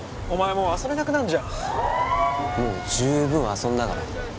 もう遊べなくなるじゃんもう十分遊んだから